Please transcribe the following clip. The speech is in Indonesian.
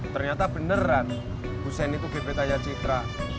ternyata beneran busen itu gebetanya citra